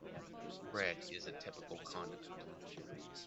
Bread is a typical condiment.